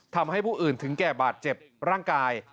ทำให้ผู้อื่นถึงแก่บาดเจ็บร่างกาย